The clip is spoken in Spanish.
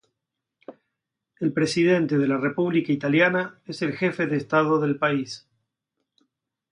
El presidente de la República italiana es el jefe de estado del país.